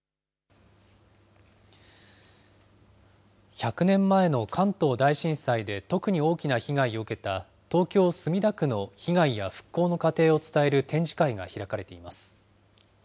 １００年前の関東大震災で特に大きな被害を受けた、東京・墨田区の被害や復興の過程を伝える展示会が開かれています。